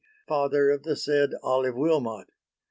father of the said Olive Wilmot.